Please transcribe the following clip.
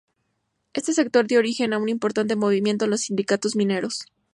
Este sector dio origen a un importante movimiento en los sindicatos mineros.